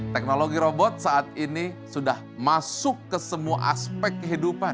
teknologi robot saat ini sudah masuk ke semua aspek kehidupan